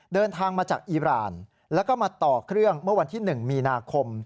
เดินทางมาจากอีรานแล้วก็มาต่อเครื่องเมื่อวันที่๑มีนาคม